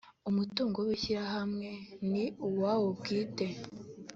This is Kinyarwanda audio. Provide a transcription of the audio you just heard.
Umutungo w Ishyirahamwe ni uwawo bwite